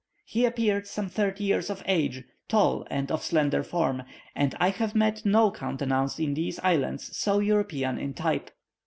He appeared some thirty years of age, tall and of slender form, and I have met no countenance in these islands so European in 'type.'"